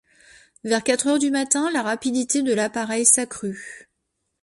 Vers quatre heures du matin, la rapidité de l’appareil s’accrut.